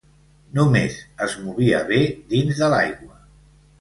Només es movia bé dins de l'aigua.